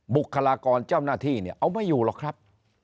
บุคลากรเจ้าหน้าที่เนี่ยเอาไม่อยู่หรอกครับ